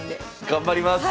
頑張ります。